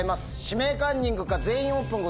「指名カンニング」か「全員オープン」